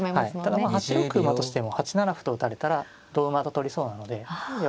ただまあ８六馬としても８七歩と打たれたら同馬と取りそうなので。